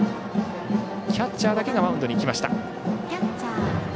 キャッチャーだけがマウンドに行きました。